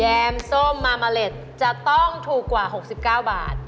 แมมส้มมามาเล็ตจะต้องถูกกว่า๖๙บาท